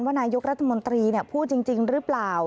นายกรัฐมนตรีพูดจริงหรือเปล่า